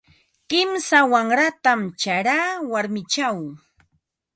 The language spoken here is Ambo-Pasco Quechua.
Kimsa wanratam charaa warmichaw.